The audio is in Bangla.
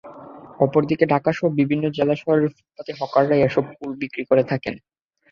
অপরদিকে ঢাকাসহ বিভিন্ন জেলা শহরের ফুটপাতে হকাররাই এসব কুল বিক্রি করে থাকেন।